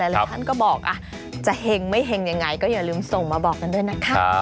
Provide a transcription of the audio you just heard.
หลายท่านก็บอกจะเห็งไม่เห็งยังไงก็อย่าลืมส่งมาบอกกันด้วยนะคะ